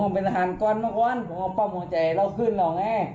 ผมเป็นอาหารกว้านเมื่อกว้านผมเอาป้องของใจเราขึ้นแล้วไง